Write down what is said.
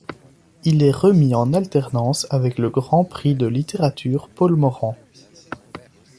Il est remis en alternance avec le grand prix de littérature Paul-Morand.